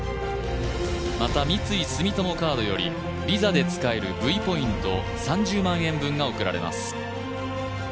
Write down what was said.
また、三井住友カードより、ＶＩＳＡで使えるＶポイント３０万円分が贈られます。